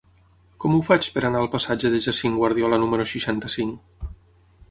Com ho faig per anar al passatge de Jacint Guardiola número seixanta-cinc?